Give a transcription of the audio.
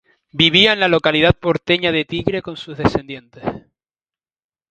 Vivía en la localidad porteña de Tigre con sus descendientes.